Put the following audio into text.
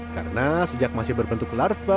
karena sejak masih berbentuk larva